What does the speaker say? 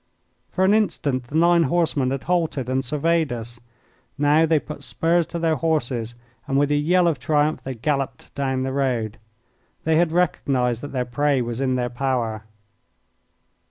For an instant the nine horsemen had halted and surveyed us. Now they put spurs to their horses, and with a yell of triumph they galloped down the road. They had recognised that their prey was in their power.